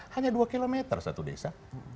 hanya dua km satu desa